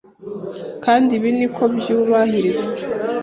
Kandi ibi niko byubahirizwa